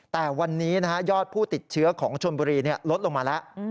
แต่วันนี้ยอดผู้ติดเชื้อของชนบุรีลดลงมาแล้ว